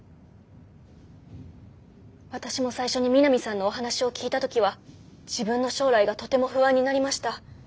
私も最初に三並さんのお話を聞いた時は自分の将来がとても不安になりました。